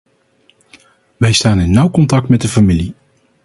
Wij staan in nauw contact met de familie.